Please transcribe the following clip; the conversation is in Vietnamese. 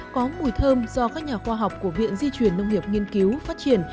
có mùi thơm do các nhà khoa học của viện di chuyển nông nghiệp nghiên cứu phát triển